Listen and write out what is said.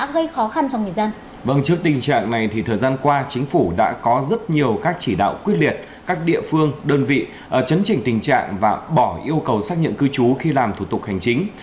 vâng trước tình trạng này thì thời gian qua chính phủ đã có rất nhiều các chỉ đạo quyết liệt các địa phương đơn vị chấn chỉnh tình trạng và bỏ yêu cầu xác nhận cư trú khi làm thủ tục hành chính